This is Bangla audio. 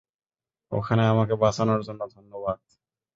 ওখানে আমাকে বাঁচানোর জন্য ধন্যবাদ।